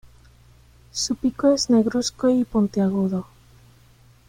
Su pico es negruzco y puntiagudo.